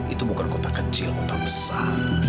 itu bukan kota kecil kota besar